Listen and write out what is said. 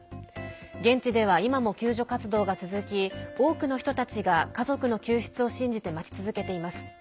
現地では今も救助活動が続き多くの人たちが家族の救出を信じて待ち続けています。